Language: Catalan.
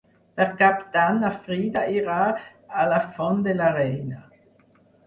Per Cap d'Any na Frida irà a la Font de la Reina.